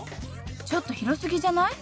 ちょっと広すぎじゃない？